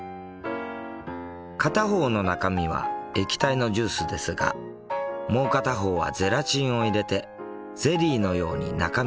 片方の中身は液体のジュースですがもう片方はゼラチンを入れてゼリーのように中身を固めてあります。